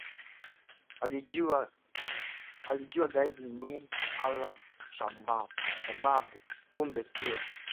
nilijua gaidi ni Al Shabaab, kumbe sio